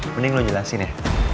mending lo jelasin ya